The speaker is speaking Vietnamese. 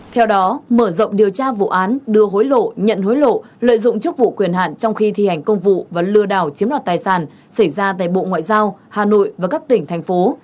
theo đó mở rộng điều tra vụ án đưa hối lộ nhận hối lộ lợi dụng chức vụ quyền hạn trong khi thi hành công vụ và lừa đảo chiếm đoạt tài sản xảy ra tại bộ ngoại giao hà nội và các tỉnh thành phố